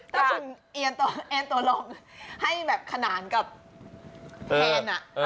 ถ้าคุณเอียนตัวลองให้แบบขนานกับแคน